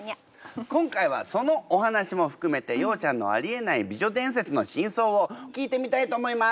今回はそのお話も含めてようちゃんのありえない美女伝説の真相を聞いてみたいと思います。